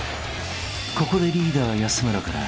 ［ここでリーダー安村から］